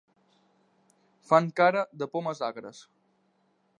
Fan cara de pomes agres.